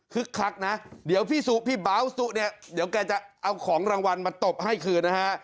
คักนะเดี๋ยวพี่เบาสุเนี่ยเดี๋ยวแกจะเอาของรางวัลมาตบให้คืนนะฮะ